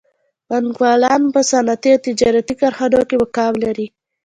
بانکوالان په صنعتي او تجارتي کارخانو کې مقام لري